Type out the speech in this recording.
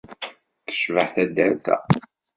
Tecbeḥ taddart-a.